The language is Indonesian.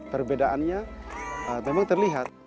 perbedaannya memang terlihat